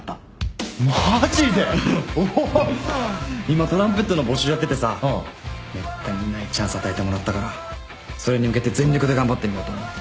今トランペットの募集やっててさめったにないチャンス与えてもらったからそれに向けて全力で頑張ってみようと思う。